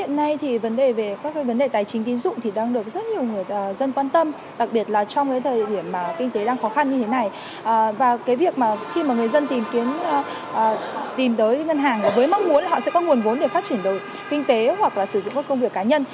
cái việc mà khi mà người dân tìm kiếm tìm tới ngân hàng với mong muốn là họ sẽ có nguồn vốn để phát triển đổi kinh tế hoặc là sử dụng các công việc cá nhân